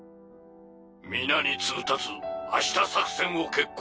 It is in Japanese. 皆に通達明日作戦を決行する。